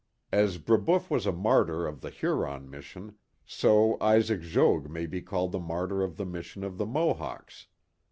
As Brebeuf was a martyr of the Huron mission, so Isaac Jogues may be called the martyr of the mission to the Mo hawks.